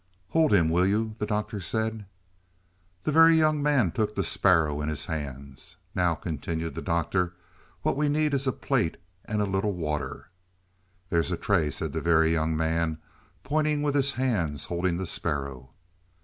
"Hold him, will you," the Doctor said. The Very Young Man took the sparrow in his hands. "Now," continued the Doctor, "what we need is a plate and a little water." "There's a tray," said the Very Young Man, pointing with his hands holding the sparrow.